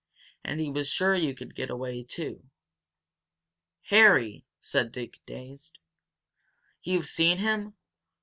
And he was sure you could get away, too." "Harry!" said Dick, dazed. "You've seen him?